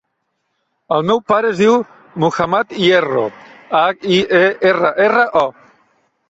El meu pare es diu Muhammad Hierro: hac, i, e, erra, erra, o.